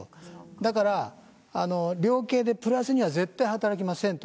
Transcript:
だから量刑でプラスには絶対はたらきませんと。